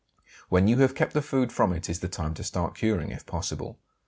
When you have kept the food from it is the time to start curing if possible.